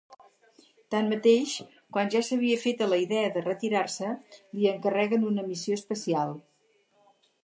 Tanmateix, quan ja s'havia fet a la idea de retirar-se, li encarreguen una missió especial.